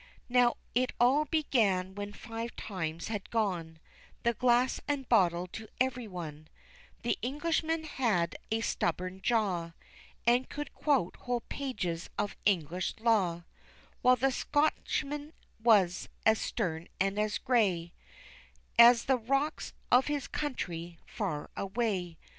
Now, it all begun when five times had gone The glass and bottle to everyone, The Englishman, he had a stubborn jaw And could quote whole pages of English law, While the Scotchman, was as stern and as gray As the rocks of his country far away.